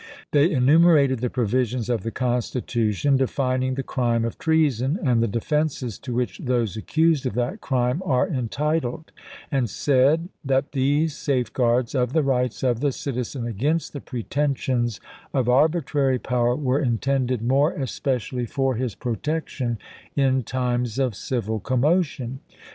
They enumerated the provisions of the Con stitution denning the crime of treason, and the defenses to which those accused of that crime are entitled, and said "that these safeguards of the rights of the citizen against the pretensions of arbi trary power were intended more especially for his VALLANDIGHAM 343 protection in times of civil commotion."